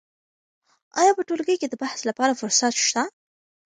آیا په ټولګي کې د بحث لپاره فرصت شته؟